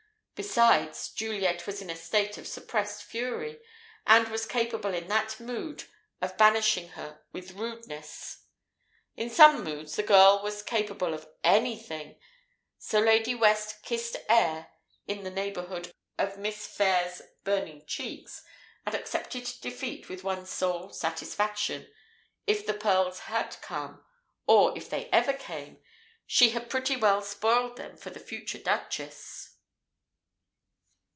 Besides, Juliet was in a state of suppressed fury, and was capable in that mood of banishing her with rudeness. In some moods, the girl was capable of anything! So Lady West "kissed air" in the neighbourhood of Miss Phayre's burning cheeks, and accepted defeat with one sole satisfaction: If the pearls had come or if they ever came! she had pretty well spoiled them for the future Duchess.